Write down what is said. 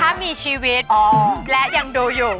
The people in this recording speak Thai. ถ้ามีชีวิตและยังดูอยู่